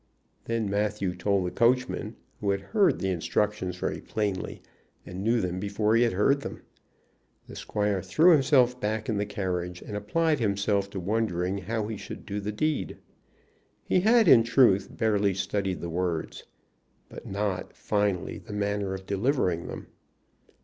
Then Matthew told the coachman, who had heard the instructions very plainly, and knew them before he had heard them. The squire threw himself back in the carriage, and applied himself to wondering how he should do the deed. He had, in truth, barely studied the words, but not, finally, the manner of delivering them.